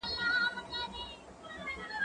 هغه څوک چي قلم کاروي پوهه زياتوي